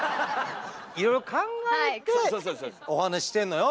いろいろ考えてお話ししてんのよ